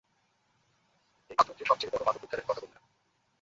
এই মাত্র যে সবচেয়ে বড়ো মাদক উদ্ধারের কথা বললে না?